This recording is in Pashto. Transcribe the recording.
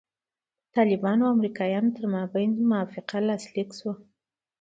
د طالبانو او امریکایانو ترمنځ موافقه لاسلیک سوه.